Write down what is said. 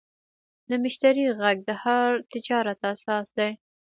د مشتری غږ د هر تجارت اساس دی.